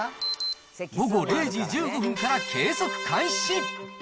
午後０時１５分から計測開始。